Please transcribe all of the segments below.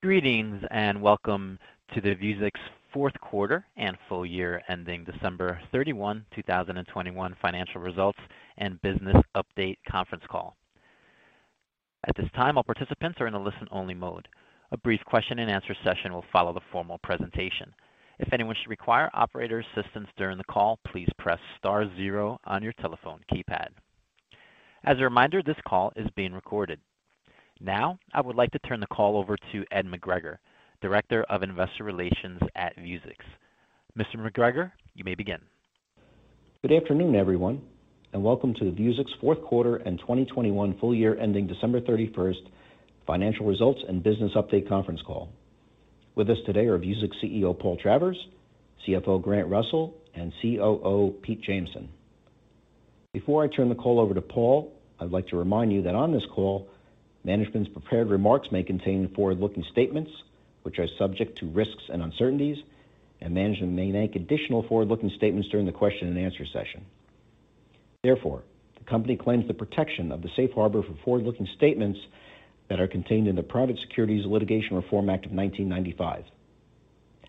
Greetings, and welcome to the Vuzix fourth quarter and full year ending December 31, 2021 financial results and business update conference call. At this time, all participants are in a listen-only mode. A brief question and answer session will follow the formal presentation. If anyone should require operator assistance during the call, please press star zero on your telephone keypad. As a reminder, this call is being recorded. Now I would like to turn the call over to Ed McGregor, Director of Investor Relations at Vuzix. Mr. McGregor, you may begin. Good afternoon, everyone, and welcome to the Vuzix fourth quarter and 2021 full year ending December 31st financial results and business update conference call. With us today are Vuzix CEO, Paul Travers, CFO, Grant Russell, and COO, Pete Jameson. Before I turn the call over to Paul, I'd like to remind you that on this call, management's prepared remarks may contain forward-looking statements which are subject to risks and uncertainties, and management may make additional forward-looking statements during the question and answer session. Therefore, the company claims the protection of the safe harbor for forward-looking statements that are contained in the Private Securities Litigation Reform Act of 1995.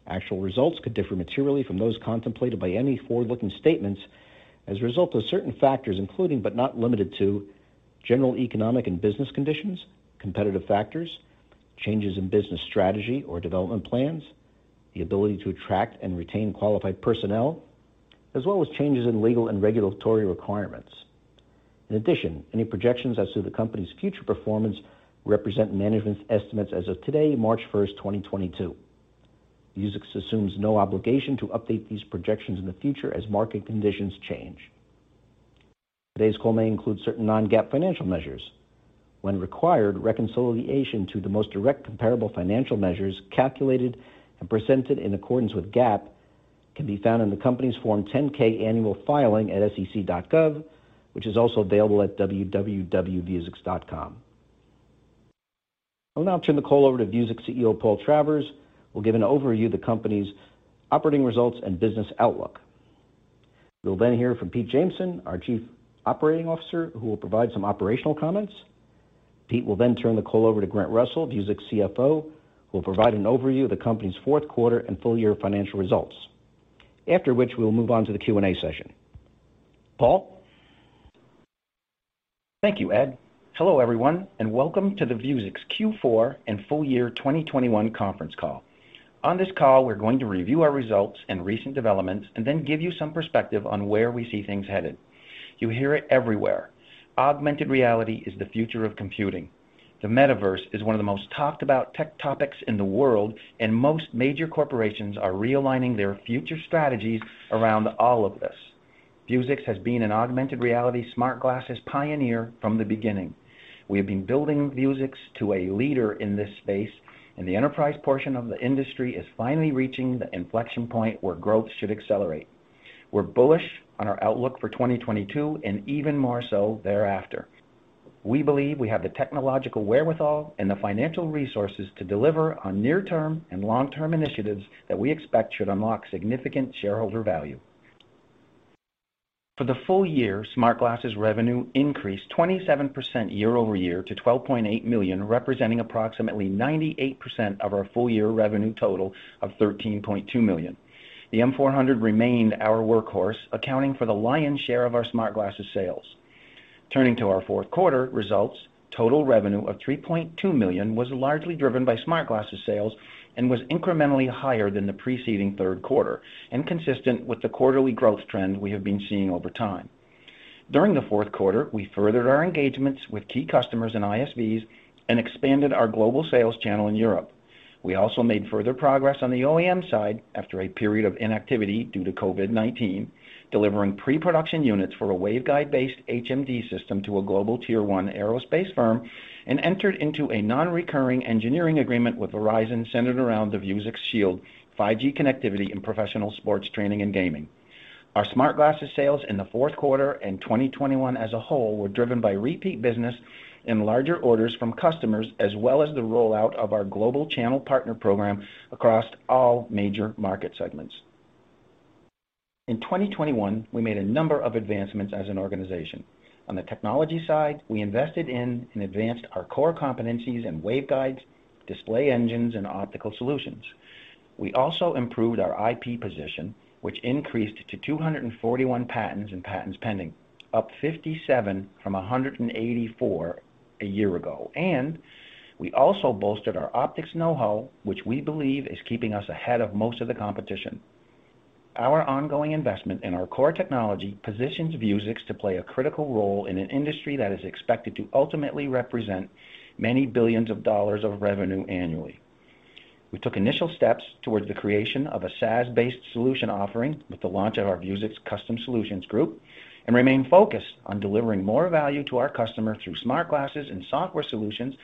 Actual results could differ materially from those contemplated by any forward-looking statements as a result of certain factors, including, but not limited to, general economic and business conditions, competitive factors, changes in business strategy or development plans, the ability to attract and retain qualified personnel, as well as changes in legal and regulatory requirements. In addition, any projections as to the company's future performance represent management's estimates as of today, March 1st, 2022. Vuzix assumes no obligation to update these projections in the future as market conditions change. Today's call may include certain non-GAAP financial measures. When required, reconciliation to the most direct comparable financial measures calculated and presented in accordance with GAAP can be found in the company's Form 10-K annual filing at sec.gov, which is also available at www.vuzix.com. I'll now turn the call over to Vuzix CEO, Paul Travers, who will give an overview of the company's operating results and business outlook. You'll then hear from Pete Jameson, our Chief Operating Officer, who will provide some operational comments. Pete will then turn the call over to Grant Russell, Vuzix CFO, who will provide an overview of the company's fourth quarter and full year financial results. After which, we will move on to the Q&A session. Paul? Thank you, Ed. Hello, everyone, and welcome to the Vuzix Q4 and full year 2021 conference call. On this call, we're going to review our results and recent developments and then give you some perspective on where we see things headed. You hear it everywhere. Augmented reality is the future of computing. The metaverse is one of the most talked about tech topics in the world, and most major corporations are realigning their future strategies around all of this. Vuzix has been an augmented reality smart glasses pioneer from the beginning. We have been building Vuzix to a leader in this space, and the enterprise portion of the industry is finally reaching the inflection point where growth should accelerate. We're bullish on our outlook for 2022 and even more so thereafter. We believe we have the technological wherewithal and the financial resources to deliver on near-term and long-term initiatives that we expect should unlock significant shareholder value. For the full year, smart glasses revenue increased 27% year-over-year to $12.8 million, representing approximately 98% of our full year revenue total of $13.2 million. The M400 remained our workhorse, accounting for the lion's share of our smart glasses sales. Turning to our fourth quarter results, total revenue of $3.2 million was largely driven by smart glasses sales and was incrementally higher than the preceding third quarter and consistent with the quarterly growth trend we have been seeing over time. During the fourth quarter, we furthered our engagements with key customers and ISVs and expanded our global sales channel in Europe. We also made further progress on the OEM side after a period of inactivity due to COVID-19, delivering pre-production units for a waveguide-based HMD system to a global tier one aerospace firm and entered into a non-recurring engineering agreement with Verizon centered around the Vuzix Shield 5G connectivity in professional sports training and gaming. Our smart glasses sales in the fourth quarter and 2021 as a whole were driven by repeat business and larger orders from customers, as well as the rollout of our global channel partner program across all major market segments. In 2021, we made a number of advancements as an organization. On the technology side, we invested in and advanced our core competencies in waveguides, display engines, and optical solutions. We also improved our IP position, which increased to 241 patents and patents pending, up 57 from 184 a year ago. We also bolstered our optics know-how, which we believe is keeping us ahead of most of the competition. Our ongoing investment in our core technology positions Vuzix to play a critical role in an industry that is expected to ultimately represent many billions of dollars of revenue annually. We took initial steps towards the creation of a SaaS-based solution offering with the launch of our Vuzix Custom Solutions group and remain focused on delivering more value to our customer through smart glasses and software solutions,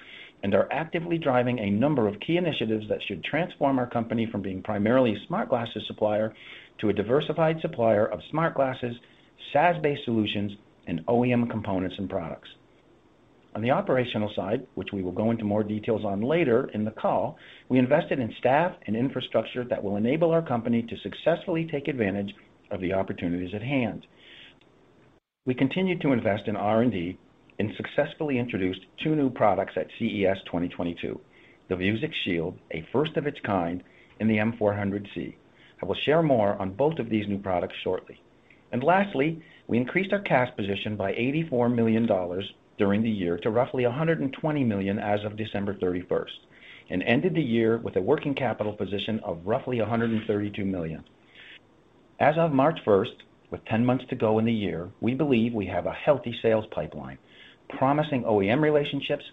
and are actively driving a number of key initiatives that should transform our company from being primarily a smart glasses supplier to a diversified supplier of smart glasses, SaaS-based solutions, and OEM components and products. On the operational side, which we will go into more details on later in the call, we invested in staff and infrastructure that will enable our company to successfully take advantage of the opportunities at hand. We continued to invest in R&D and successfully introduced two new products at CES 2022, the Vuzix Shield, a first of its kind, and the M400C. I will share more on both of these new products shortly. Lastly, we increased our cash position by $84 million during the year to roughly $120 million as of December 31st, and ended the year with a working capital position of roughly $132 million. As of March 1st, with 10 months to go in the year, we believe we have a healthy sales pipeline, promising OEM relationships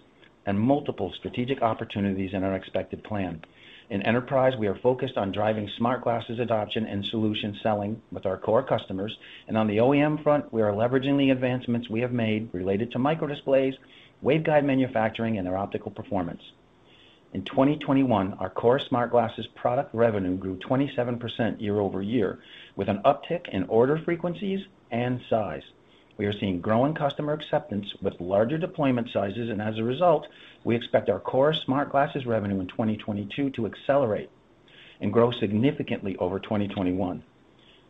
and multiple strategic opportunities in our expected plan. In enterprise, we are focused on driving smart glasses adoption and solution selling with our core customers. On the OEM front, we are leveraging the advancements we have made related to micro displays, waveguide manufacturing, and their optical performance. In 2021, our core smart glasses product revenue grew 27% year-over-year with an uptick in order frequencies and size. We are seeing growing customer acceptance with larger deployment sizes, and as a result, we expect our core smart glasses revenue in 2022 to accelerate and grow significantly over 2021.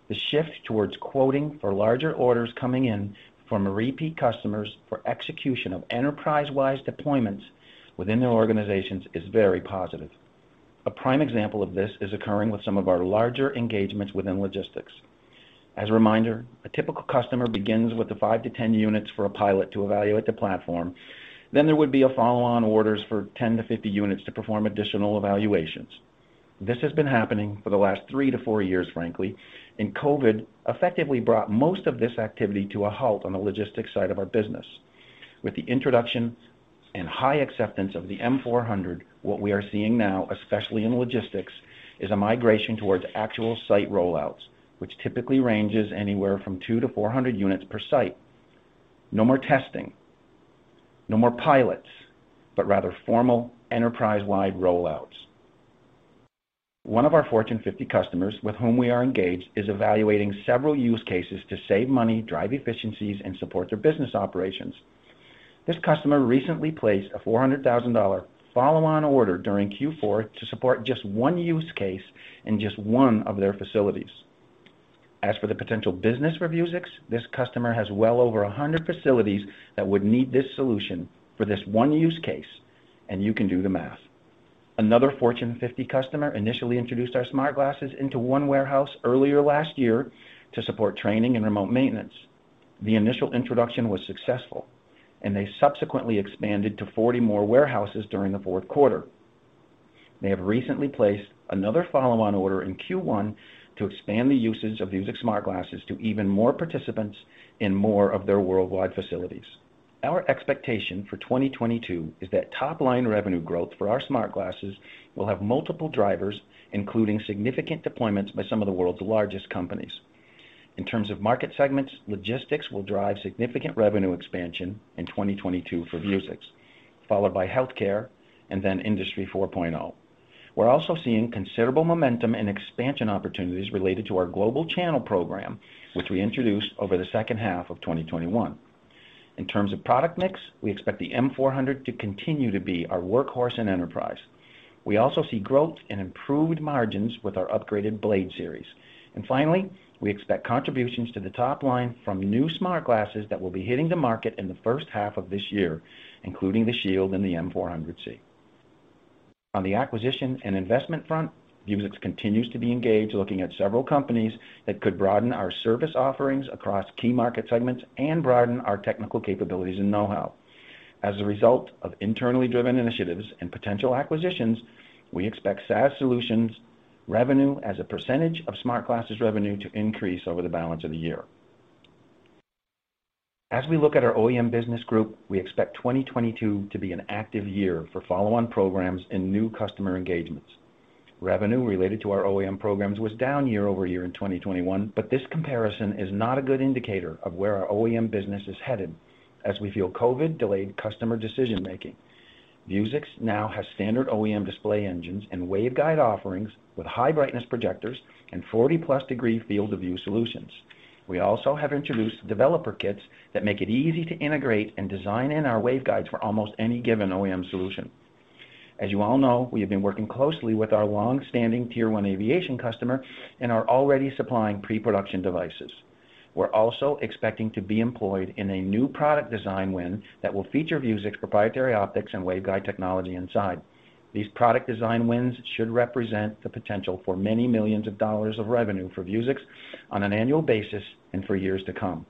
The shift towards quoting for larger orders coming in from repeat customers for execution of enterprise-wide deployments within their organizations is very positive. A prime example of this is occurring with some of our larger engagements within logistics. As a reminder, a typical customer begins with the 5-10 units for a pilot to evaluate the platform. There would be a follow-on orders for 10-50 units to perform additional evaluations. This has been happening for the last 3-4 years, frankly, and COVID effectively brought most of this activity to a halt on the logistics side of our business. With the introduction and high acceptance of the M400, what we are seeing now, especially in logistics, is a migration towards actual site rollouts, which typically ranges anywhere from 200-400 units per site. No more testing, no more pilots, but rather formal enterprise-wide rollouts. One of our Fortune 50 customers with whom we are engaged is evaluating several use cases to save money, drive efficiencies, and support their business operations. This customer recently placed a $400,000 follow-on order during Q4 to support just one use case in just one of their facilities. As for the potential business for Vuzix, this customer has well over 100 facilities that would need this solution for this one use case, and you can do the math. Another Fortune 50 customer initially introduced our smart glasses into one warehouse earlier last year to support training and remote maintenance. The initial introduction was successful, and they subsequently expanded to 40 more warehouses during the fourth quarter. They have recently placed another follow-on order in Q1 to expand the usage of Vuzix smart glasses to even more participants in more of their worldwide facilities. Our expectation for 2022 is that top line revenue growth for our smart glasses will have multiple drivers, including significant deployments by some of the world's largest companies. In terms of market segments, logistics will drive significant revenue expansion in 2022 for Vuzix, followed by healthcare and then Industry 4.0. We're also seeing considerable momentum and expansion opportunities related to our global channel program, which we introduced over the second half of 2021. In terms of product mix, we expect the M400 to continue to be our workhorse in enterprise. We also see growth in improved margins with our upgraded Blade series. Finally, we expect contributions to the top line from new smart glasses that will be hitting the market in the first half of this year, including the Shield and the M400C. On the acquisition and investment front, Vuzix continues to be engaged, looking at several companies that could broaden our service offerings across key market segments and broaden our technical capabilities and know-how. As a result of internally driven initiatives and potential acquisitions, we expect SaaS solutions revenue as a percentage of smart glasses revenue to increase over the balance of the year. As we look at our OEM business group, we expect 2022 to be an active year for follow-on programs and new customer engagements. Revenue related to our OEM programs was down year-over-year in 2021, but this comparison is not a good indicator of where our OEM business is headed as we feel COVID delayed customer decision-making. Vuzix now has standard OEM display engines and waveguide offerings with high brightness projectors and 40+ degree field of view solutions. We also have introduced developer kits that make it easy to integrate and design in our waveguides for almost any given OEM solution. As you all know, we have been working closely with our long-standing tier one aviation customer and are already supplying pre-production devices. We're also expecting to be employed in a new product design win that will feature Vuzix proprietary optics and waveguide technology inside. These product design wins should represent the potential for many millions of dollars of revenue for Vuzix on an annual basis and for years to come.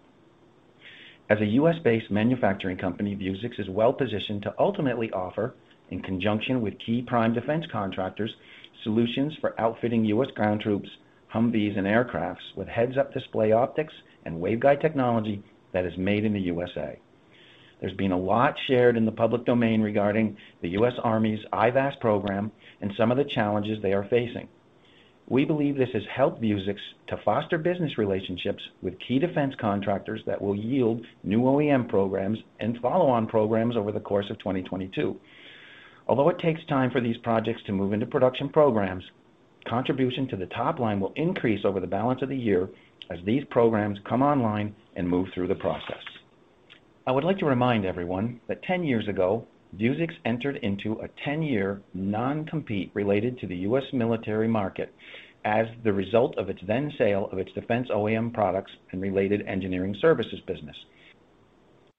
As a U.S.-based manufacturing company, Vuzix is well-positioned to ultimately offer, in conjunction with key prime defense contractors, solutions for outfitting U.S. ground troops, Humvees, and aircraft with heads-up display optics and waveguide technology that is made in the USA. There's been a lot shared in the public domain regarding the U.S. Army's IVAS program and some of the challenges they are facing. We believe this has helped Vuzix to foster business relationships with key defense contractors that will yield new OEM programs and follow-on programs over the course of 2022. Although it takes time for these projects to move into production programs, contribution to the top line will increase over the balance of the year as these programs come online and move through the process. I would like to remind everyone that 10 years ago, Vuzix entered into a 10-year non-compete related to the U.S. military market as the result of its then sale of its defense OEM products and related engineering services business.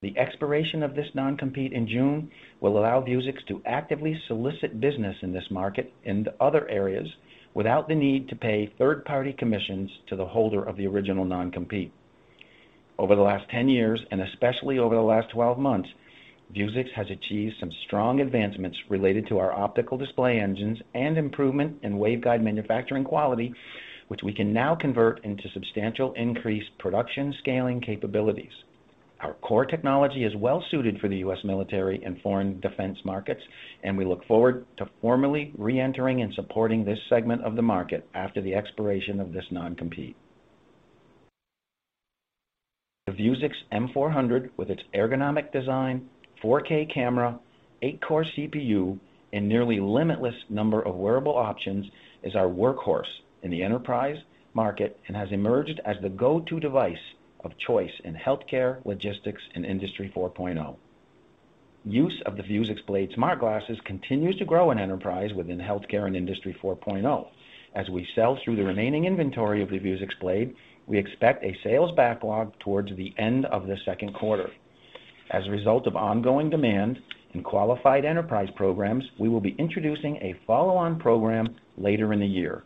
The expiration of this non-compete in June will allow Vuzix to actively solicit business in this market and other areas without the need to pay third-party commissions to the holder of the original non-compete. Over the last 10 years, and especially over the last 12 months, Vuzix has achieved some strong advancements related to our optical display engines and improvement in waveguide manufacturing quality, which we can now convert into substantial increased production scaling capabilities. Our core technology is well suited for the U.S. military and foreign defense markets, and we look forward to formally re-entering and supporting this segment of the market after the expiration of this non-compete. The Vuzix M400 with its ergonomic design, 4K camera, 8-core CPU, and nearly limitless number of wearable options is our workhorse in the enterprise market and has emerged as the go-to device of choice in healthcare, logistics, and Industry 4.0. Use of the Vuzix Blade smart glasses continues to grow in enterprise within healthcare and Industry 4.0. As we sell through the remaining inventory of the Vuzix Blade, we expect a sales backlog towards the end of the second quarter. As a result of ongoing demand in qualified enterprise programs, we will be introducing a follow-on program later in the year.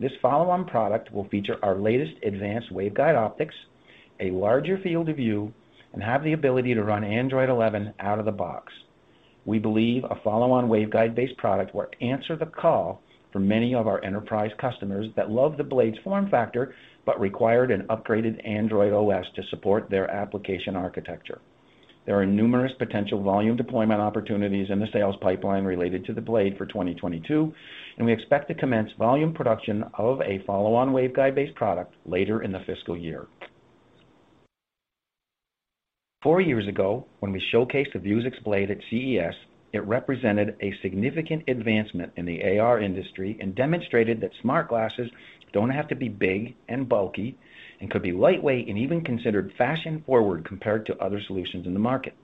This follow-on product will feature our latest advanced waveguide optics, a larger field of view, and have the ability to run Android 11 out of the box. We believe a follow-on waveguide-based product will answer the call for many of our enterprise customers that love the Blade's form factor, but required an upgraded Android OS to support their application architecture. There are numerous potential volume deployment opportunities in the sales pipeline related to the Blade for 2022, and we expect to commence volume production of a follow-on waveguide-based product later in the fiscal year. Four years ago, when we showcased the Vuzix Blade at CES, it represented a significant advancement in the AR industry and demonstrated that smart glasses don't have to be big and bulky and could be lightweight and even considered fashion-forward compared to other solutions in the market.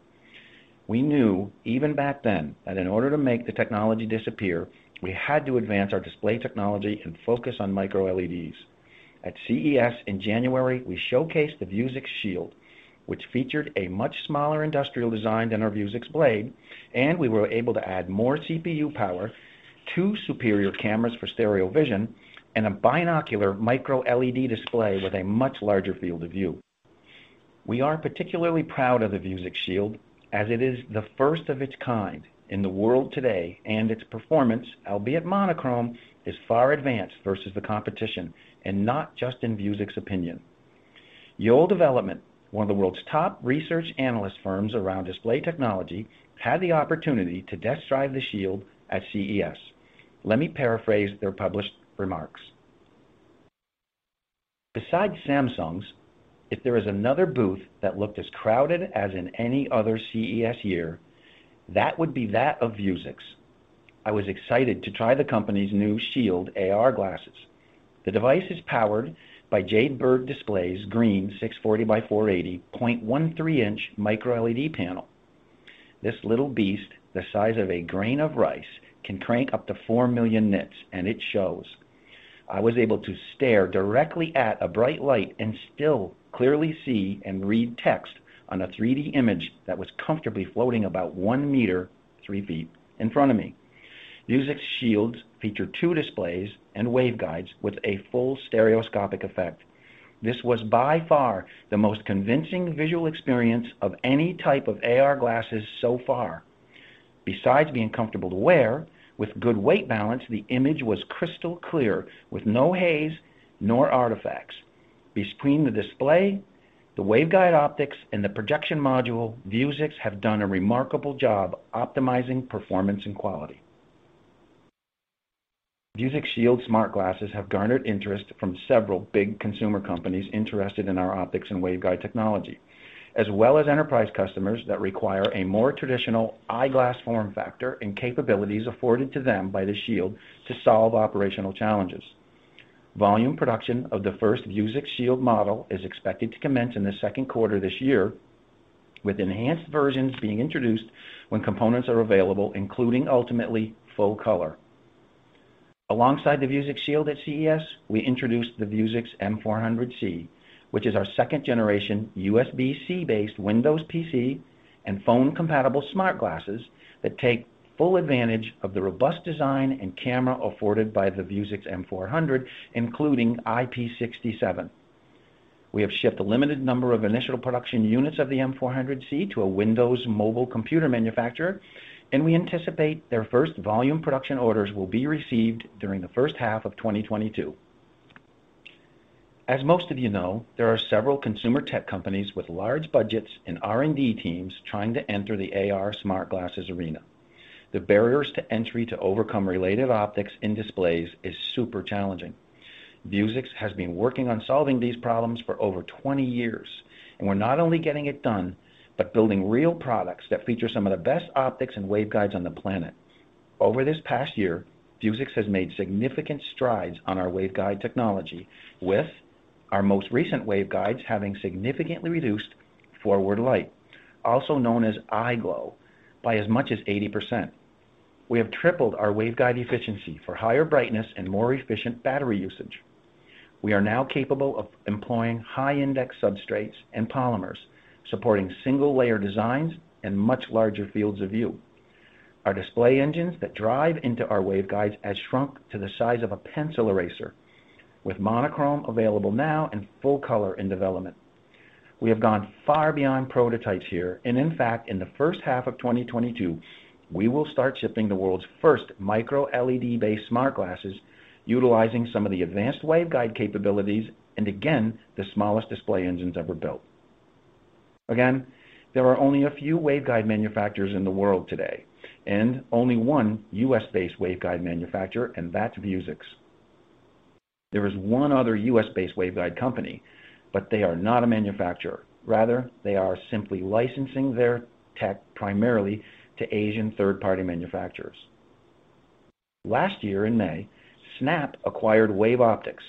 We knew even back then that in order to make the technology disappear, we had to advance our display technology and focus on MicroLEDs. At CES in January, we showcased the Vuzix Shield, which featured a much smaller industrial design than our Vuzix Blade, and we were able to add more CPU power, two superior cameras for stereo vision, and a binocular MicroLED display with a much larger field of view. We are particularly proud of the Vuzix Shield as it is the first of its kind in the world today, and its performance, albeit monochrome, is far advanced versus the competition, and not just in Vuzix's opinion. Yole Développement, one of the world's top research analyst firms around display technology, had the opportunity to test drive the Shield at CES. Let me paraphrase their published remarks. "Besides Samsung's, if there is another booth that looked as crowded as in any other CES year, that would be that of Vuzix. I was excited to try the company's new Shield AR glasses. The device is powered by Jade Bird Display's green 640 by 480 0.13-inch microLED panel. This little beast, the size of a grain of rice, can crank up to 4 million nits, and it shows. I was able to stare directly at a bright light and still clearly see and read text on a 3D image that was comfortably floating about 1 m, 3 ft, in front of me. Vuzix Shield features two displays and waveguides with a full stereoscopic effect. This was by far the most convincing visual experience of any type of AR glasses so far. Besides being comfortable to wear, with good weight balance, the image was crystal clear with no haze nor artifacts. Between the display, the waveguide optics, and the projection module, Vuzix have done a remarkable job optimizing performance and quality. Vuzix Shield smart glasses have garnered interest from several big consumer companies interested in our optics and waveguide technology, as well as enterprise customers that require a more traditional eyeglass form factor and capabilities afforded to them by the Shield to solve operational challenges. Volume production of the first Vuzix Shield model is expected to commence in the second quarter this year, with enhanced versions being introduced when components are available, including ultimately full color. Alongside the Vuzix Shield at CES, we introduced the Vuzix M400C, which is our second generation USB-C based Windows PC and phone-compatible smart glasses that take full advantage of the robust design and camera afforded by the Vuzix M400, including IP67. We have shipped a limited number of initial production units of the M400C to a Windows mobile computer manufacturer, and we anticipate their first volume production orders will be received during the first half of 2022. As most of you know, there are several consumer tech companies with large budgets and R&D teams trying to enter the AR smart glasses arena. The barriers to entry to overcome related optics and displays is super challenging. Vuzix has been working on solving these problems for over 20 years, and we're not only getting it done, but building real products that feature some of the best optics and waveguides on the planet. Over this past year, Vuzix has made significant strides on our waveguide technology with our most recent waveguides having significantly reduced forward light, also known as eye glow, by as much as 80%. We have tripled our waveguide efficiency for higher brightness and more efficient battery usage. We are now capable of employing high index substrates and polymers, supporting single layer designs and much larger fields of view. Our display engines that drive into our waveguides has shrunk to the size of a pencil eraser, with monochrome available now and full color in development. We have gone far beyond prototypes here, and in fact, in the first half of 2022, we will start shipping the world's first microLED-based smart glasses utilizing some of the advanced waveguide capabilities, and again, the smallest display engines ever built. Again, there are only a few waveguide manufacturers in the world today, and only one U.S.-based waveguide manufacturer, and that's Vuzix. There is one other U.S. based waveguide company, but they are not a manufacturer. Rather, they are simply licensing their tech primarily to Asian third-party manufacturers. Last year in May, Snap acquired WaveOptics,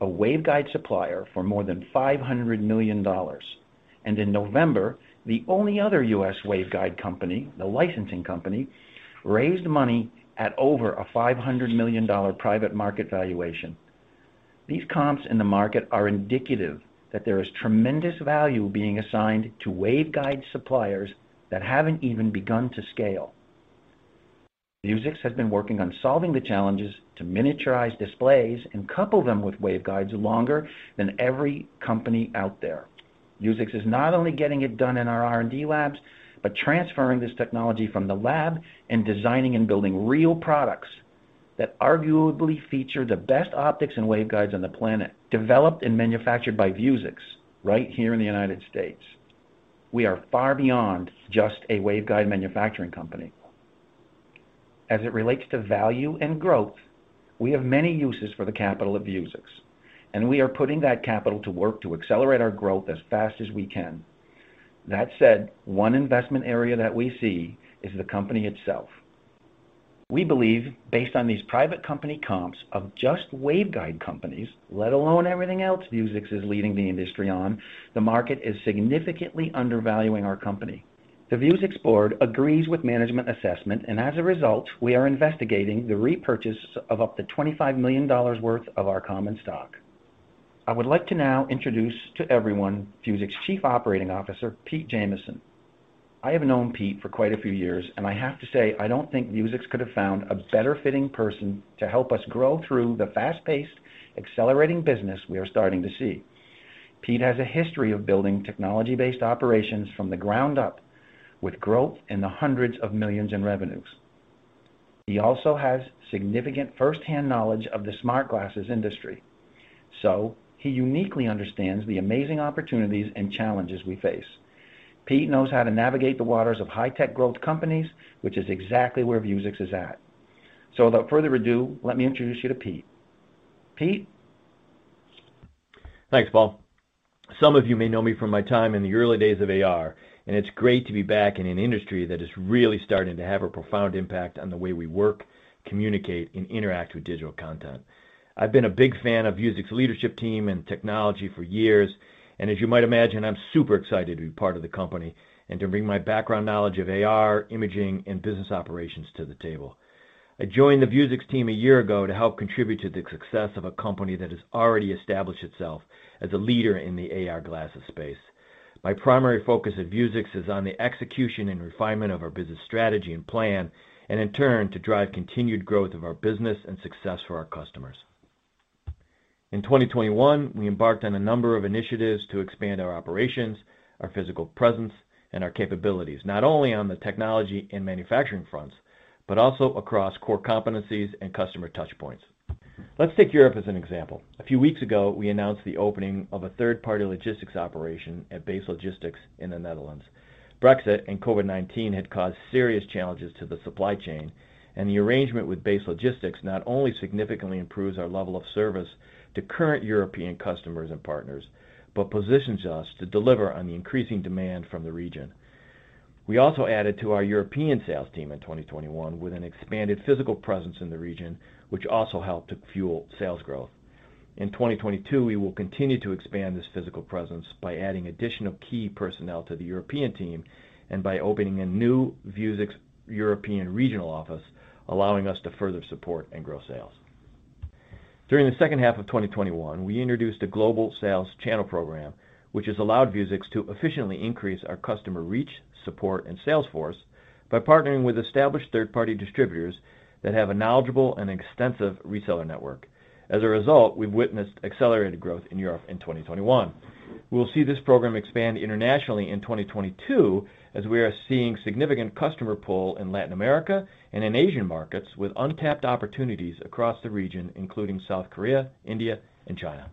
a waveguide supplier, for more than $500 million. In November, the only other U.S. waveguide company, the licensing company, raised money at over a $500 million private market valuation. These comps in the market are indicative that there is tremendous value being assigned to waveguide suppliers that haven't even begun to scale. Vuzix has been working on solving the challenges to miniaturize displays and couple them with waveguides longer than every company out there. Vuzix is not only getting it done in our R&D labs, but transferring this technology from the lab and designing and building real products that arguably feature the best optics and waveguides on the planet, developed and manufactured by Vuzix right here in the United States. We are far beyond just a waveguide manufacturing company. As it relates to value and growth, we have many uses for the capital of Vuzix, and we are putting that capital to work to accelerate our growth as fast as we can. That said, one investment area that we see is the company itself. We believe based on these private company comps of just waveguide companies, let alone everything else Vuzix is leading the industry on, the market is significantly undervaluing our company. The Vuzix board agrees with management assessment, and as a result, we are investigating the repurchase of up to $25 million worth of our common stock. I would like to now introduce to everyone Vuzix Chief Operating Officer, Pete Jameson. I have known Pete for quite a few years, and I have to say, I don't think Vuzix could have found a better fitting person to help us grow through the fast-paced, accelerating business we are starting to see. Pete has a history of building technology-based operations from the ground up with growth in the hundreds of millions in revenues. He also has significant first-hand knowledge of the smart glasses industry, so he uniquely understands the amazing opportunities and challenges we face. Pete knows how to navigate the waters of high tech growth companies, which is exactly where Vuzix is at. Without further ado, let me introduce you to Pete. Pete? Thanks, Paul. Some of you may know me from my time in the early days of AR, and it's great to be back in an industry that is really starting to have a profound impact on the way we work, communicate, and interact with digital content. I've been a big fan of Vuzix leadership team and technology for years, and as you might imagine, I'm super excited to be part of the company and to bring my background knowledge of AR, imaging, and business operations to the table. I joined the Vuzix team a year ago to help contribute to the success of a company that has already established itself as a leader in the AR glasses space. My primary focus at Vuzix is on the execution and refinement of our business strategy and plan, and in turn, to drive continued growth of our business and success for our customers. In 2021, we embarked on a number of initiatives to expand our operations, our physical presence, and our capabilities, not only on the technology and manufacturing fronts, but also across core competencies and customer touch points. Let's take Europe as an example. A few weeks ago, we announced the opening of a third-party logistics operation at Base Logistics in the Netherlands. Brexit and COVID-19 had caused serious challenges to the supply chain, and the arrangement with Base Logistics not only significantly improves our level of service to current European customers and partners, but positions us to deliver on the increasing demand from the region. We also added to our European sales team in 2021 with an expanded physical presence in the region, which also helped to fuel sales growth. In 2022, we will continue to expand this physical presence by adding additional key personnel to the European team and by opening a new Vuzix European regional office, allowing us to further support and grow sales. During the second half of 2021, we introduced a global sales channel program, which has allowed Vuzix to efficiently increase our customer reach, support, and sales force by partnering with established third-party distributors that have a knowledgeable and extensive reseller network. As a result, we've witnessed accelerated growth in Europe in 2021. We'll see this program expand internationally in 2022 as we are seeing significant customer pull in Latin America and in Asian markets with untapped opportunities across the region, including South Korea, India, and China.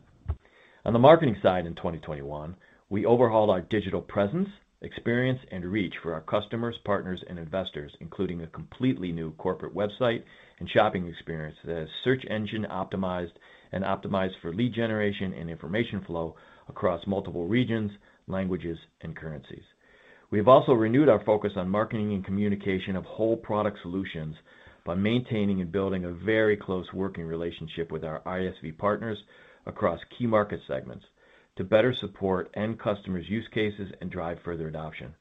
On the marketing side in 2021, we overhauled our digital presence, experience, and reach for our customers, partners, and investors, including a completely new corporate website and shopping experience that is search engine optimized and optimized for lead generation and information flow across multiple regions, languages, and currencies. We have also renewed our focus on marketing and communication of whole product solutions by maintaining and building a very close working relationship with our ISV partners across key market segments to better support end customers' use cases and drive further adoption.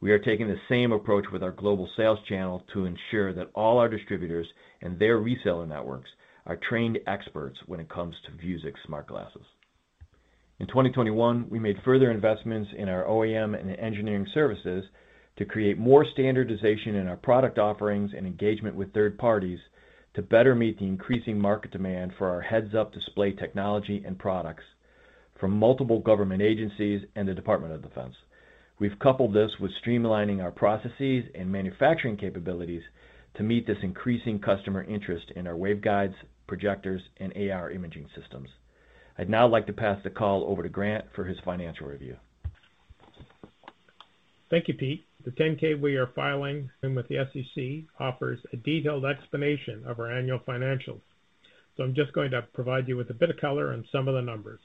We are taking the same approach with our global sales channel to ensure that all our distributors and their reseller networks are trained experts when it comes to Vuzix smart glasses. In 2021, we made further investments in our OEM and engineering services to create more standardization in our product offerings and engagement with third parties to better meet the increasing market demand for our heads-up display technology and products from multiple government agencies and the Department of Defense. We've coupled this with streamlining our processes and manufacturing capabilities to meet this increasing customer interest in our waveguides, projectors, and AR imaging systems. I'd now like to pass the call over to Grant for his financial review. Thank you, Pete. The 10-K we are filing with the SEC offers a detailed explanation of our annual financials. I'm just going to provide you with a bit of color on some of the numbers.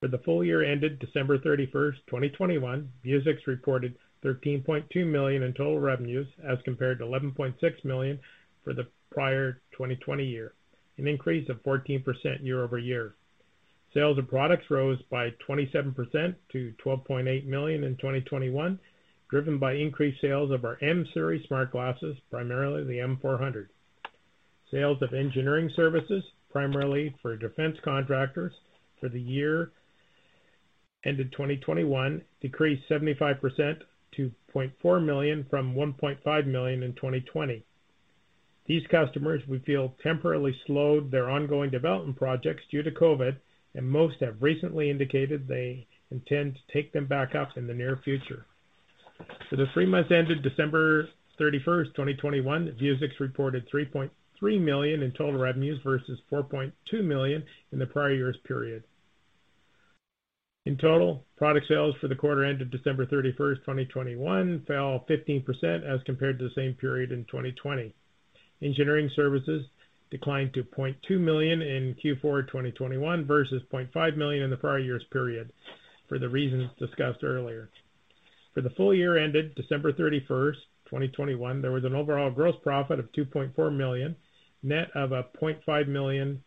For the full year ended December 31st, 2021, Vuzix reported $13.2 million in total revenues as compared to $11.6 million for the prior 2020 year, an increase of 14% year-over-year. Sales of products rose by 27% to $12.8 million in 2021, driven by increased sales of our M-Series smart glasses, primarily the M400. Sales of engineering services, primarily for defense contractors for the year ended 2021, decreased 75% to $0.4 million from $1.5 million in 2020. These customers, we feel, temporarily slowed their ongoing development projects due to COVID, and most have recently indicated they intend to take them back up in the near future. For the three months ended December 31st, 2021, Vuzix reported $3.3 million in total revenues versus $4.2 million in the prior year's period. In total, product sales for the quarter ended December 31st, 2021 fell 15% as compared to the same period in 2020. Engineering services declined to $0.2 million in Q4 2021 versus $0.5 million in the prior year's period for the reasons discussed earlier. For the full year ended December 31st, 2021, there was an overall gross profit of $2.4 million, net of a $0.5 million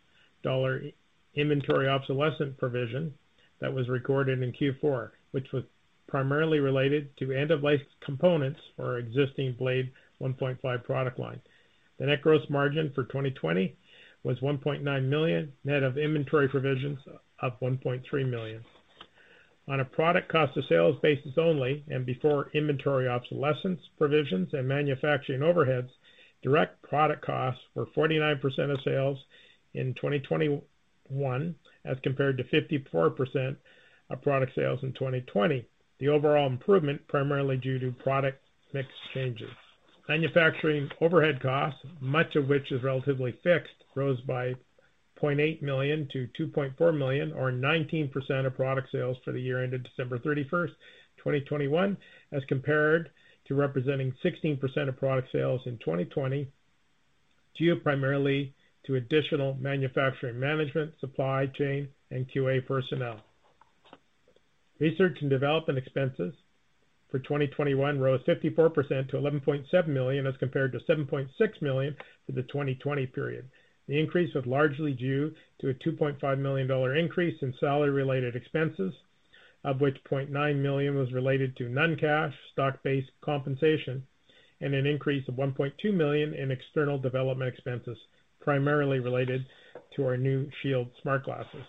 inventory obsolescence provision that was recorded in Q4, which was primarily related to end-of-life components for our existing Blade 1.5 product line. The net gross margin for 2020 was $1.9 million, net of inventory provisions up $1.3 million. On a product cost of sales basis only, and before inventory obsolescence provisions and manufacturing overheads, direct product costs were 49% of sales in 2021 as compared to 54% of product sales in 2020. The overall improvement primarily due to product mix changes. Manufacturing overhead costs, much of which is relatively fixed, rose by $0.8 million to $2.4 million or 19% of product sales for the year ended December 31st, 2021, as compared to representing 16% of product sales in 2020, due primarily to additional manufacturing management, supply chain, and QA personnel. Research and development expenses for 2021 rose 54% to $11.7 million as compared to $7.6 million for the 2020 period. The increase was largely due to a $2.5 million increase in salary related expenses, of which $0.9 million was related to non-cash stock-based compensation and an increase of $1.2 million in external development expenses, primarily related to our new Shield smart glasses.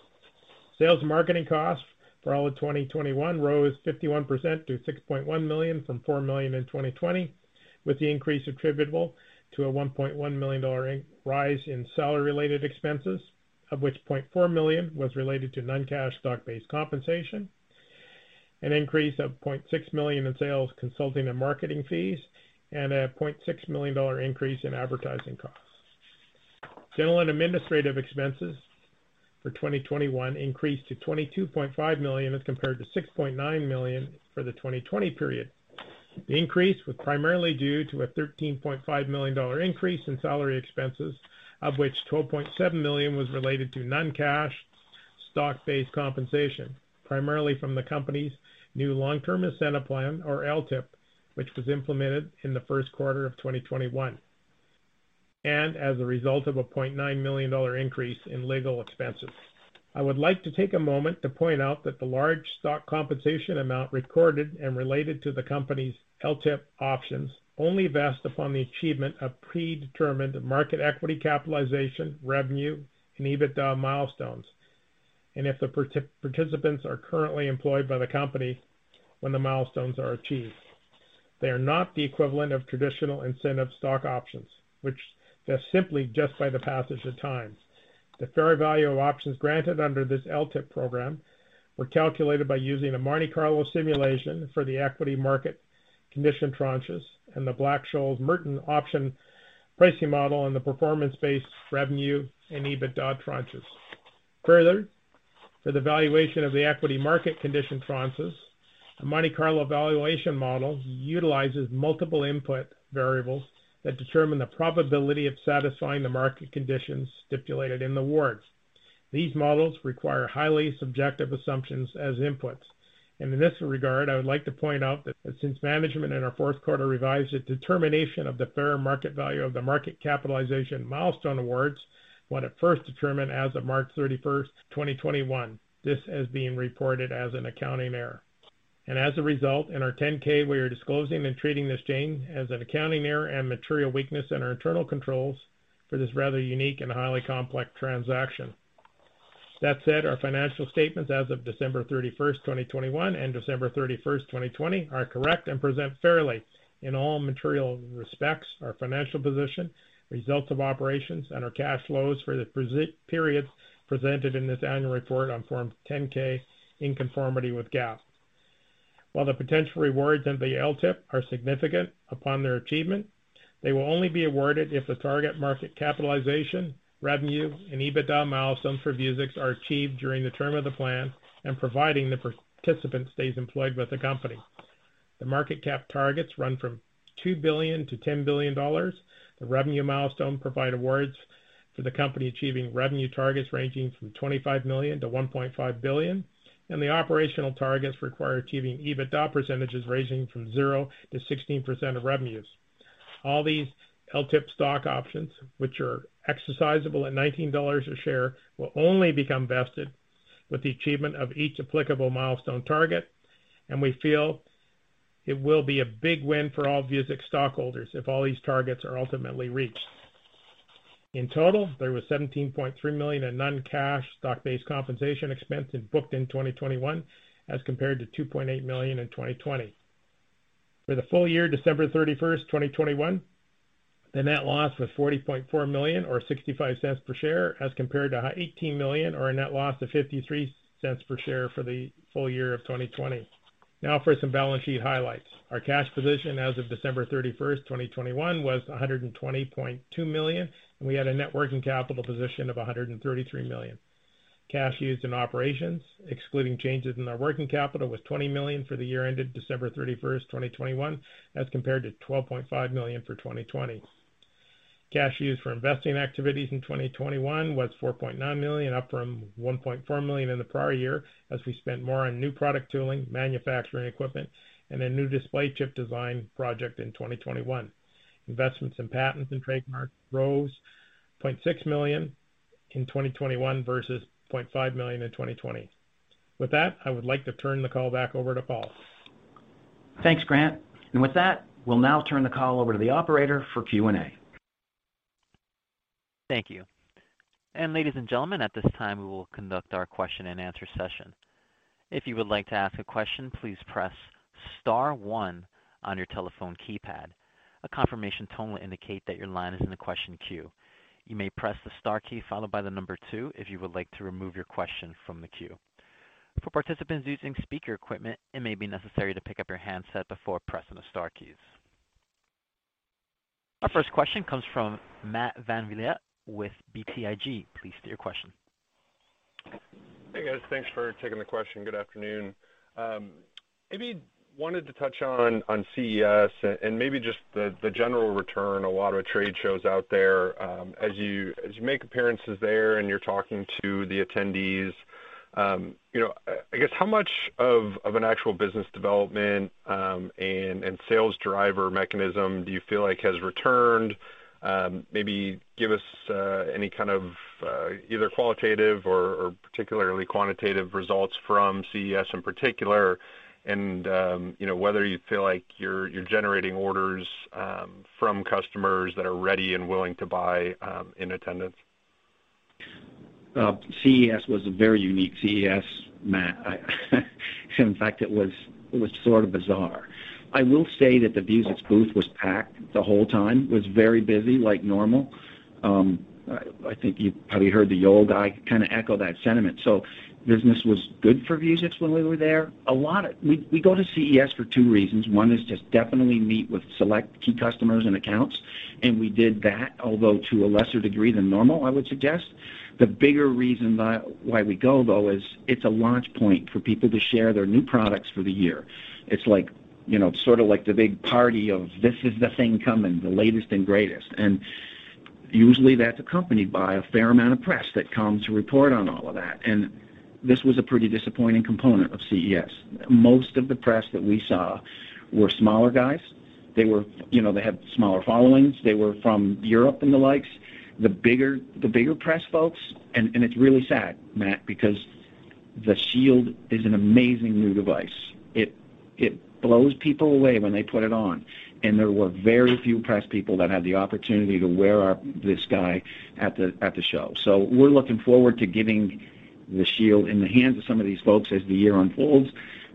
Sales and marketing costs for all of 2021 rose 51% to $6.1 million from $4 million in 2020, with the increase attributable to a $1.1 million rise in salary related expenses, of which $0.4 million was related to non-cash stock-based compensation, an increase of $0.6 million in sales consulting and marketing fees, and a $0.6 million increase in advertising costs. General and administrative expenses for 2021 increased to $22.5 million as compared to $6.9 million for the 2020 period. The increase was primarily due to a $13.5 million increase in salary expenses, of which $12.7 million was related to non-cash stock-based compensation, primarily from the company's new long-term incentive plan, or LTIP, which was implemented in the first quarter of 2021, and as a result of a $0.9 million increase in legal expenses. I would like to take a moment to point out that the large stock compensation amount recorded and related to the company's LTIP options only vest upon the achievement of predetermined market equity capitalization, revenue, and EBITDA milestones, and if the participants are currently employed by the company when the milestones are achieved. They are not the equivalent of traditional incentive stock options, which vest simply just by the passage of time. The fair value of options granted under this LTIP program were calculated by using a Monte Carlo simulation for the equity market condition tranches and the Black-Scholes-Merton option pricing model on the performance-based revenue and EBITDA tranches. Further, for the valuation of the equity market condition tranches, a Monte Carlo valuation model utilizes multiple input variables that determine the probability of satisfying the market conditions stipulated in the awards. These models require highly subjective assumptions as inputs. In this regard, I would like to point out that since management in our fourth quarter revised its determination of the fair market value of the market capitalization milestone awards when it first determined as of March 31st, 2021, this as being reported as an accounting error. As a result, in our 10-K, we are disclosing and treating this change as an accounting error and material weakness in our internal controls for this rather unique and highly complex transaction. That said, our financial statements as of December 31st, 2021 and December 31st, 2020 are correct and present fairly in all material respects our financial position, results of operations and our cash flows for the periods presented in this annual report on Form 10-K in conformity with GAAP. While the potential rewards of the LTIP are significant upon their achievement, they will only be awarded if the target market capitalization, revenue, and EBITDA milestones for Vuzix are achieved during the term of the plan and providing the participant stays employed with the company. The market cap targets run from $2 billion-$10 billion. The revenue milestone provide awards for the company achieving revenue targets ranging from $25 million-$1.5 billion, and the operational targets require achieving EBITDA percentages ranging from 0%-16% of revenues. All these LTIP stock options, which are exercisable at $19 a share, will only become vested with the achievement of each applicable milestone target, and we feel it will be a big win for all Vuzix stockholders if all these targets are ultimately reached. In total, there was $17.3 million in non-cash stock-based compensation expense booked in 2021, as compared to $2.8 million in 2020. For the full year, December 31st, 2021, the net loss was $40.4 million or $0.65 per share, as compared to $18 million or a net loss of $0.53 per share for the full year of 2020. Now for some balance sheet highlights. Our cash position as of December 31st, 2021 was $120.2 million, and we had a net working capital position of $133 million. Cash used in operations, excluding changes in our working capital, was $20 million for the year ended December 31st, 2021, as compared to $12.5 million for 2020. Cash used for investing activities in 2021 was $4.9 million, up from $1.4 million in the prior year, as we spent more on new product tooling, manufacturing equipment, and a new display chip design project in 2021. Investments in patents and trademarks rose $0.6 million in 2021 versus $0.5 million in 2020. With that, I would like to turn the call back over to Paul. Thanks, Grant. With that, we'll now turn the call over to the operator for Q&A. Thank you. Ladies and gentlemen, at this time, we will conduct our question and answer session. If you would like to ask a question, please press star one on your telephone keypad. A confirmation tone will indicate that your line is in the question queue. You may press the star key followed by the number two if you would like to remove your question from the queue. For participants using speaker equipment, it may be necessary to pick up your handset before pressing the star keys. Our first question comes from Matt VanVliet with BTIG. Please state your question. Hey, guys. Thanks for taking the question. Good afternoon. Maybe I wanted to touch on CES and maybe just the general return, a lot of trade shows out there, as you make appearances there and you're talking to the attendees, you know, I guess how much of an actual business development and sales driver mechanism do you feel like has returned? Maybe give us any kind of either qualitative or particularly quantitative results from CES in particular and you know whether you feel like you're generating orders from customers that are ready and willing to buy in attendance. CES was a very unique CES, Matt. In fact, it was sort of bizarre. I will say that the Vuzix booth was packed the whole time, was very busy like normal. I think you probably heard the Yole guy kind of echo that sentiment. Business was good for Vuzix when we were there. We go to CES for two reasons. One is to definitely meet with select key customers and accounts, and we did that, although to a lesser degree than normal, I would suggest. The bigger reason that's why we go, though, is it's a launch point for people to share their new products for the year. It's like, you know, sort of like the big party of this is the thing coming, the latest and greatest. Usually that's accompanied by a fair amount of press that come to report on all of that, and this was a pretty disappointing component of CES. Most of the press that we saw were smaller guys. They were. You know, they had smaller followings. They were from Europe and the likes. The bigger press folks, and it's really sad, Matt, because the Shield is an amazing new device. It blows people away when they put it on. There were very few press people that had the opportunity to wear our this guy at the show. We're looking forward to getting the Shield in the hands of some of these folks as the year unfolds.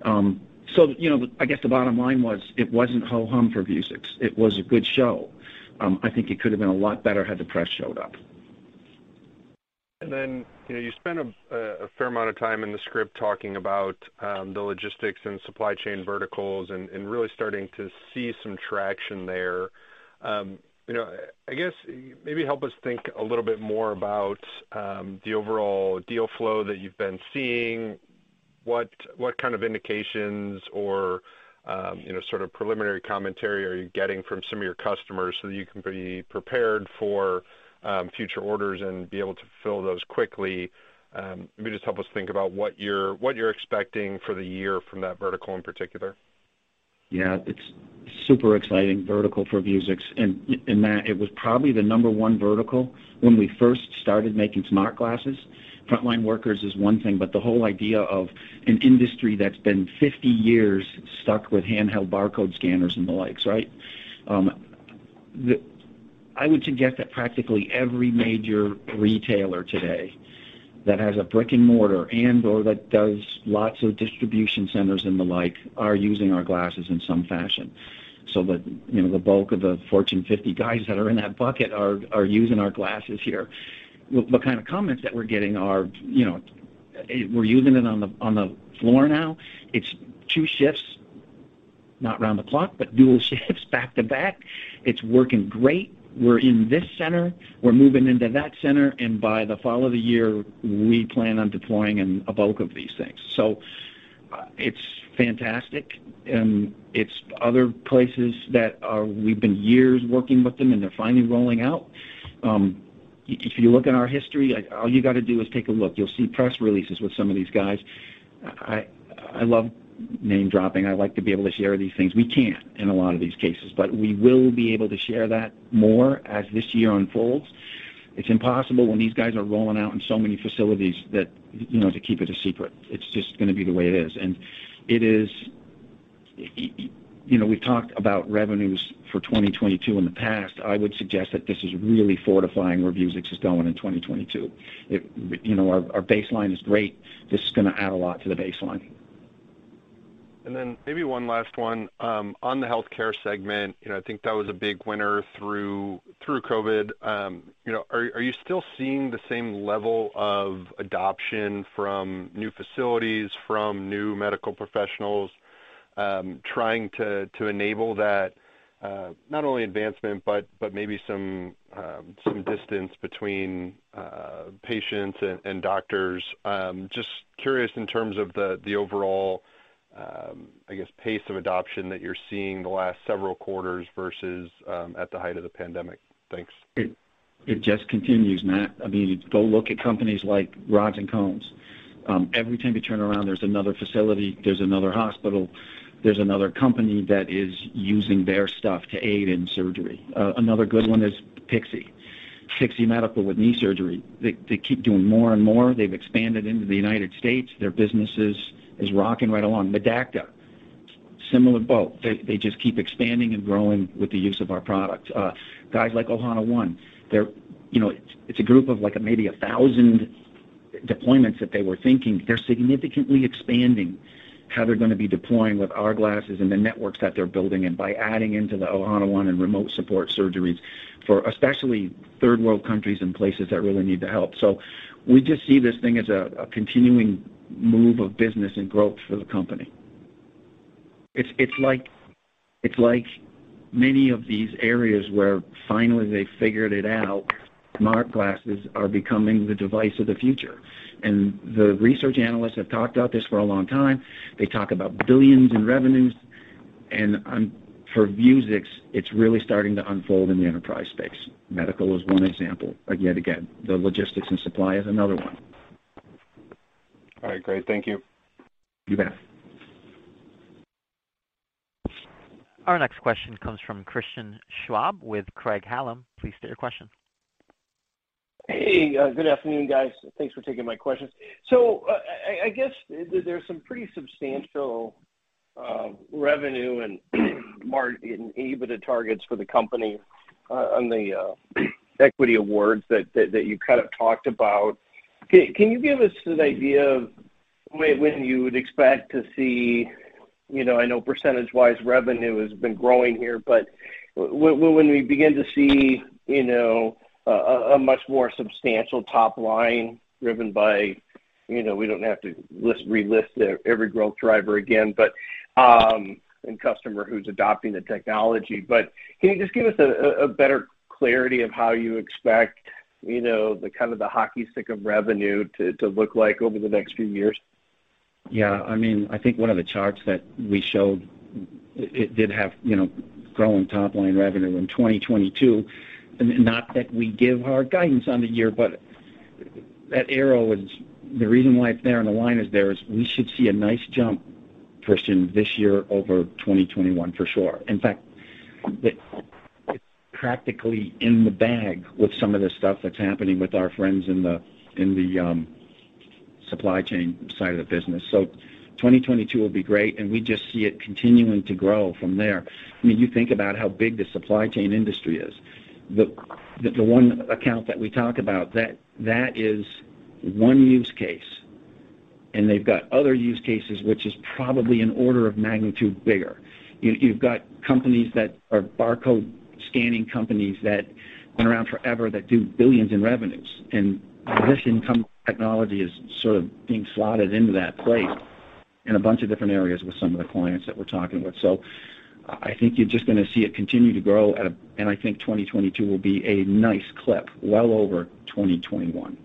You know, I guess the bottom line was it wasn't ho-hum for Vuzix. It was a good show. I think it could have been a lot better had the press showed up. Then, you know, you spent a fair amount of time in the script talking about the logistics and supply chain verticals and really starting to see some traction there. You know, I guess maybe help us think a little bit more about the overall deal flow that you've been seeing. What kind of indications or, you know, sort of preliminary commentary are you getting from some of your customers so that you can be prepared for future orders and be able to fill those quickly? Maybe just help us think about what you're expecting for the year from that vertical in particular. Yeah. It's super exciting vertical for Vuzix in that it was probably the number one vertical when we first started making smart glasses. Frontline workers is one thing, but the whole idea of an industry that's been 50 years stuck with handheld barcode scanners and the likes, right? I would suggest that practically every major retailer today that has a brick-and-mortar and/or that does lots of distribution centers and the like are using our glasses in some fashion so that, you know, the bulk of the Fortune 50 guys that are in that bucket are using our glasses here. The kind of comments that we're getting are, you know, we're using it on the floor now. It's two shifts, not around the clock, but dual shifts back to back. It's working great. We're in this center. We're moving into that center, and by the fall of the year, we plan on deploying in a bulk of these things. It's fantastic, and we've been years working with them, and they're finally rolling out. If you look at our history, like all you gotta do is take a look. You'll see press releases with some of these guys. I love name-dropping. I like to be able to share these things. We can't in a lot of these cases, but we will be able to share that more as this year unfolds. It's impossible when these guys are rolling out in so many facilities that, you know, to keep it a secret. It's just gonna be the way it is. It is. You know, we've talked about revenues for 2022 in the past. I would suggest that this is really fortifying where Vuzix is going in 2022. It. You know, our baseline is great. This is gonna add a lot to the baseline. Maybe one last one. On the healthcare segment, you know, I think that was a big winner through COVID. You know, are you still seeing the same level of adoption from new facilities, from new medical professionals, trying to enable that, not only advancement, but maybe some distance between patients and doctors? Just curious in terms of the overall, I guess, pace of adoption that you're seeing the last several quarters versus at the height of the pandemic. Thanks. It just continues, Matt. I mean, go look at companies like Rods & Cones. Every time you turn around, there's another facility, there's another hospital, there's another company that is using their stuff to aid in surgery. Another good one is Pixee Medical with knee surgery. They keep doing more and more. They've expanded into the United States. Their business is rocking right along. Medacta, similar boat. They just keep expanding and growing with the use of our products. Guys like Ohana One, they're you know it's a group of like maybe 1,000 deployments that they were thinking. They're significantly expanding how they're gonna be deploying with our glasses and the networks that they're building, and by adding into the Ohana One and remote support surgeries for especially third-world countries and places that really need the help. We just see this thing as a continuing move of business and growth for the company. It's like many of these areas where finally they figured it out, smart glasses are becoming the device of the future. The research analysts have talked about this for a long time. They talk about billions in revenues. For Vuzix, it's really starting to unfold in the enterprise space. Medical is one example, yet again. The logistics and supply is another one. All right. Great. Thank you. You bet. Our next question comes from Christian Schwab with Craig-Hallum. Please state your question. Hey. Good afternoon, guys. Thanks for taking my questions. I guess there's some pretty substantial revenue and EBITDA targets for the company on the equity awards that you kind of talked about. Can you give us an idea of when you would expect to see, you know, I know percentage-wise revenue has been growing here, but when we begin to see, you know, a much more substantial top line driven by, you know, we don't have to relist every growth driver again, but customers who are adopting the technology. Can you just give us a better clarity of how you expect, you know, the kind of the hockey stick of revenue to look like over the next few years? Yeah. I mean, I think one of the charts that we showed it did have, you know, growing top-line revenue in 2022, not that we give our guidance on the year, but that arrow is the reason why it's there, and the line is there, we should see a nice jump, Christian, this year over 2021 for sure. In fact, it's practically in the bag with some of the stuff that's happening with our friends in the supply chain side of the business. 2022 will be great, and we just see it continuing to grow from there. I mean, you think about how big the supply chain industry is. The one account that we talk about, that is one use case, and they've got other use cases, which is probably an order of magnitude bigger. You've got companies that are barcode scanning companies that been around forever that do billions in revenues. This AR technology is sort of being slotted into that place in a bunch of different areas with some of the clients that we're talking with. I think you're just gonna see it continue to grow. I think 2022 will be a nice clip, well over 2021.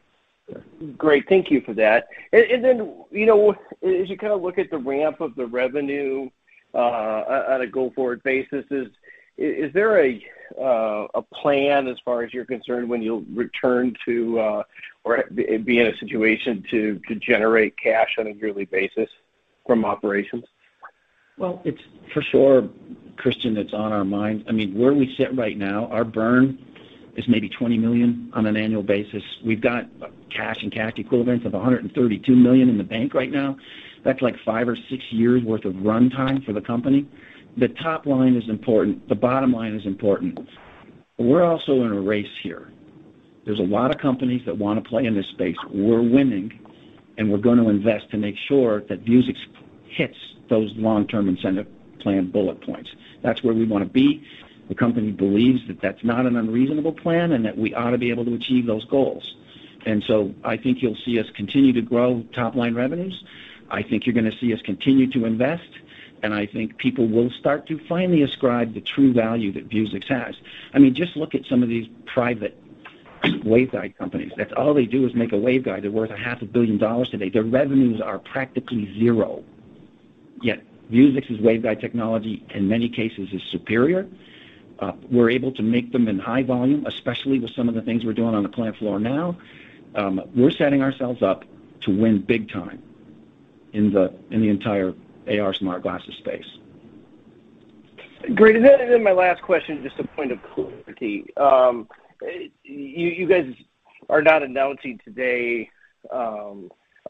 Great. Thank you for that. You know, as you kinda look at the ramp of the revenue, on a go-forward basis, is there a plan as far as you're concerned when you'll return to or be in a situation to generate cash on a yearly basis from operations? Well, it's for sure, Christian, it's on our minds. I mean, where we sit right now, our burn is maybe $20 million on an annual basis. We've got cash and cash equivalents of $132 million in the bank right now. That's like five or six years' worth of runtime for the company. The top line is important. The bottom line is important. We're also in a race here. There's a lot of companies that wanna play in this space. We're winning, and we're gonna invest to make sure that Vuzix hits those long-term incentive plan bullet points. That's where we wanna be. The company believes that that's not an unreasonable plan and that we ought to be able to achieve those goals. I think you'll see us continue to grow top-line revenues. I think you're gonna see us continue to invest, and I think people will start to finally ascribe the true value that Vuzix has. I mean, just look at some of these private waveguide companies. That's all they do is make a waveguide. They're worth $500 million today. Their revenues are practically zero. Yet Vuzix's waveguide technology, in many cases, is superior. We're able to make them in high volume, especially with some of the things we're doing on the plant floor now. We're setting ourselves up to win big time in the entire AR smart glasses space. Great. My last question, just a point of clarity. You guys are not announcing today a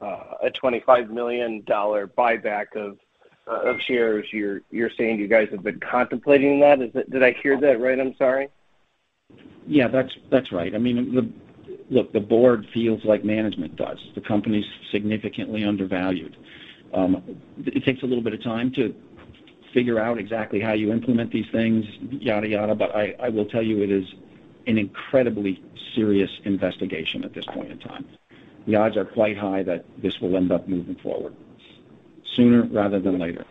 $25 million buyback of shares. You're saying you guys have been contemplating that. Did I hear that right? I'm sorry. Yeah, that's right. I mean, the board feels like management does. The company's significantly undervalued. It takes a little bit of time to figure out exactly how you implement these things, yada yada, but I will tell you it is an incredibly serious investigation at this point in time. The odds are quite high that this will end up moving forward sooner rather than later.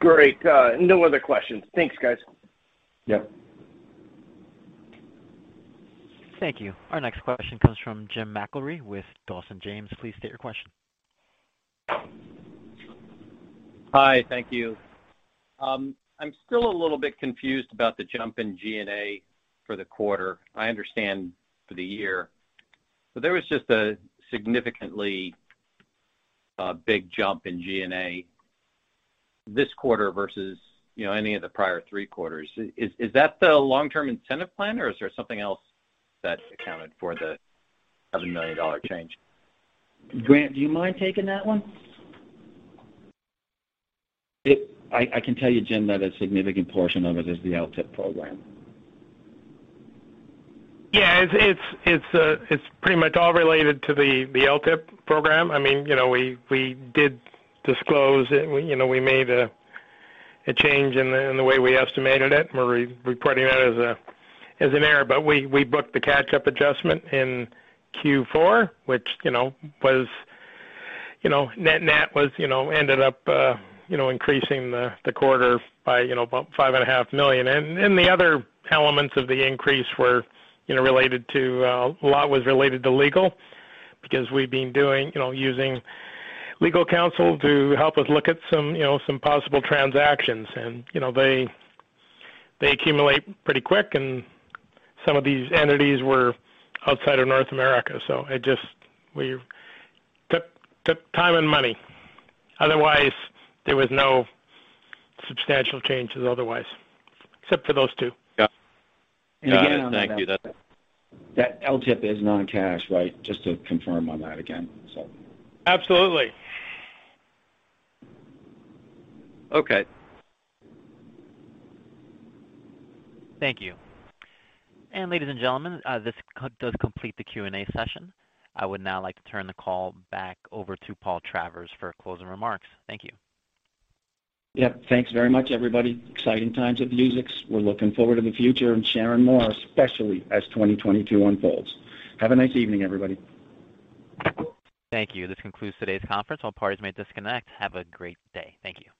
Great. No other questions. Thanks, guys. Yep. Thank you. Our next question comes from Jim McIlree with Dawson James. Please state your question. Hi. Thank you. I'm still a little bit confused about the jump in G&A for the quarter. I understand for the year. There was just a significantly big jump in G&A this quarter versus, you know, any of the prior three quarters. Is that the long-term incentive plan, or is there something else that accounted for the $7 million change? Grant, do you mind taking that one? I can tell you, Jim, that a significant portion of it is the LTIP program. Yeah. It's pretty much all related to the LTIP program. I mean, you know, we did disclose it. We made a change in the way we estimated it, and we're re-reporting that as an error. We booked the catch-up adjustment in Q4, which was net net ended up increasing the quarter by about $5.5 million. The other elements of the increase were related to a lot was related to legal because we've been using legal counsel to help us look at some possible transactions. They accumulate pretty quick, and some of these entities were outside of North America, so it just. We took time and money. Otherwise, there was no substantial changes otherwise, except for those two. Got it, thank you. That LTIP is non-cash, right? Just to confirm on that again. Absolutely. Okay. Thank you. Ladies and gentlemen, this concludes the Q&A session. I would now like to turn the call back over to Paul Travers for closing remarks. Thank you. Yep. Thanks very much, everybody. Exciting times at Vuzix. We're looking forward to the future and sharing more, especially as 2022 unfolds. Have a nice evening, everybody. Thank you. This concludes today's conference. All parties may disconnect. Have a great day. Thank you.